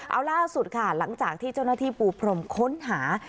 เอาล่าสุดค่ะหลังจากที่เจ้าหน้าที่ปูพรมค้นหา